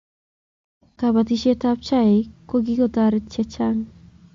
kabatishiet ab chaik ko kikotaret chechang'